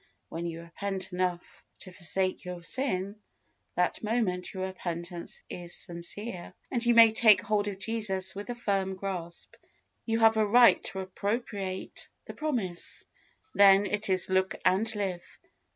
_ When you repent enough to forsake your sin, that moment your repentance is sincere, and you may take hold of Jesus with a firm grasp. You have a right to appropriate the promise, then it is "look and live."